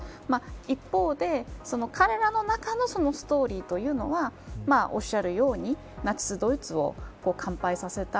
一方で、彼らの中のストーリーというのはおっしゃるようにナチスドイツを完敗させた。